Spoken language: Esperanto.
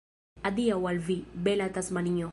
Adiaŭ al vi, bela Tasmanio!